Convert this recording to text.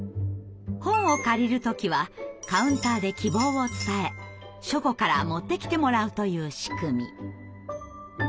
本を借りる時はカウンターで希望を伝え書庫から持ってきてもらうという仕組み。